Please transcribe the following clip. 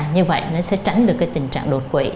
như vậy nó sẽ tránh được cái tình trạng đột quỷ